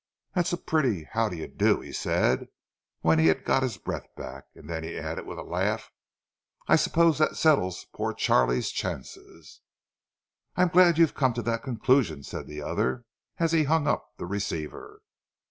"That's a pretty how do you do!" he said, when he had got his breath back; and then he added, with a laugh, "I suppose that settles poor Charlie's chances." "I'm glad you've come to that conclusion," said the other, as he hung up the receiver.